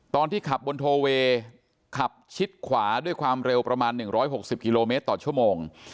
ตอนที่ขับบนโทเวย์ขับชิดขวาด้วยความเร็วประมาณ๑๖๐กิโลเมตรต่อชั่วโมง